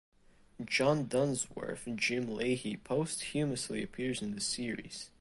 John Dunsworth (Jim Lahey) posthumously appears in the series.